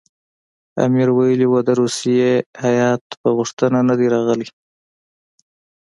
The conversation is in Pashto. امیر ویلي وو د روسیې هیات په غوښتنه نه دی راغلی.